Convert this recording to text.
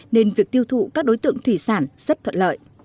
nên việc tiêu thụ các đối tượng thủy sản rất thuận lợi